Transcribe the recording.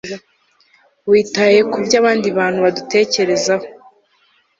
Witaye kubyo abandi bantu badutekerezaho